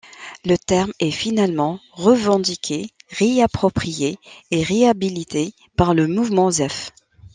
Le terme est finalement revendiqué, réapproprié et réhabilité par le mouvement Zef.